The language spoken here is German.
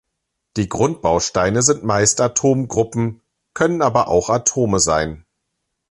Die Grundbausteine sind meist Atomgruppen, können aber auch Atome sein.